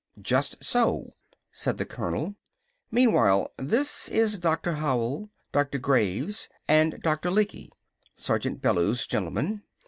"Just so," said the colonel. "Meanwhile this is Doctor Howell, Doctor Graves, and Doctor Lecky. Sergeant Bellews, gentlemen.